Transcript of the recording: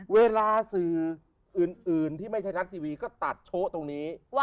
เวลาสื่ออื่นที่ไม่ใช่รัฐทีวีก็ตัดโฉะตรงนี้